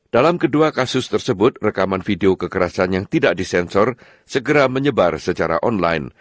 dalam kedua kasus tersebut rekaman video kekerasan yang tidak disensor segera menyebar secara online